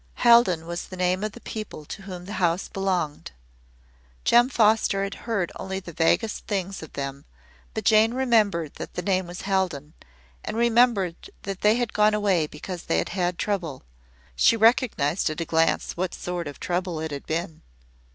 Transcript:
Haldon was the name of the people to whom the house belonged. Jem Foster had heard only the vaguest things of them, but Jane remembered that the name was Haldon, and remembering that they had gone away because they had had trouble, she recognized at a glance what sort of trouble it had been.